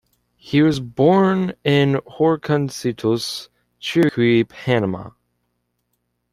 He was born in Horconcitos, Chiriqui, Panama.